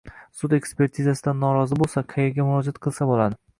Sud ekspertizasidan norozi bo‘lsa, qayerga murojaat qilsa bo‘ladi?